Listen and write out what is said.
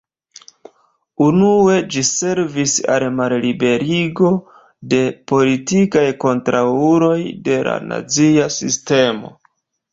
Unue ĝi servis al malliberigo de politikaj kontraŭuloj de la nazia sistemo.